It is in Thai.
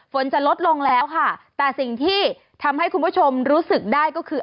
ฝนจะลดลงแล้วค่ะแต่สิ่งที่ทำให้คุณผู้ชมรู้สึกได้ก็คือ